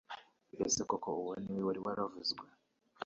Mbese koko uwo ni we wari waravuzwe